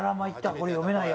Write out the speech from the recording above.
これ読めないや。